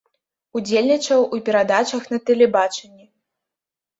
Удзельнічаў у перадачах на тэлебачанні.